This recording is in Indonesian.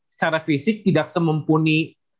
secara fisik tidak semumpuni